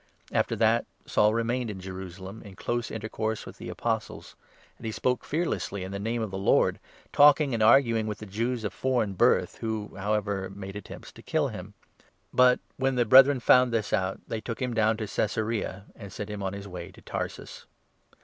After that, Saul remained in 28 Jerusalem, in close intercourse with the Apostles ; and he 29 spoke fearlessly in the Name of the Lord, talking and argu ing with the Jews of foreign birth, who, however, made attempts to kill him. But, when the Brethren found this out, 30 they took him down to Caesarea, and sent him on his way to Tarsus.